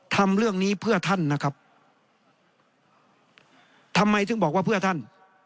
ทำเรื่องนี้เพื่อท่านนะครับทำไมถึงบอกว่าเพื่อท่าน